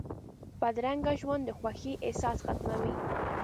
بدرنګه ژوند د خوښۍ احساس ختموي